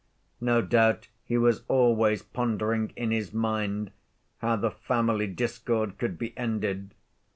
No doubt he was always pondering in his mind how the family discord could be ended.